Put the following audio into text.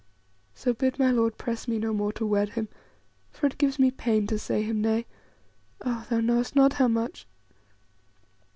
So bid my lord press me no more to wed him, for it gives me pain to say him nay ah! thou knowest not how much.